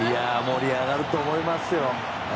盛り上がると思いますよ。